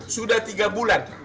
sudah tiga bulan